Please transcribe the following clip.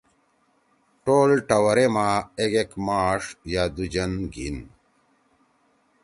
ٹول ٹوَرے ما اک ایک ماݜ یا دو جن گھین ۔